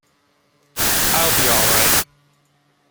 I'll be alright.